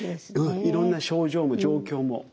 いろんな症状も状況も。